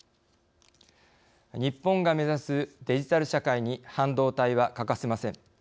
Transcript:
日本が目指すデジタル社会に半導体は欠かせません。